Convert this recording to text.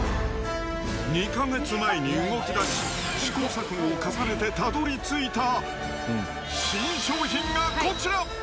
２か月前に動き出し、試行錯誤を重ねてたどりついた新商品がこちら。